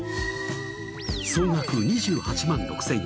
総額２８万６０００円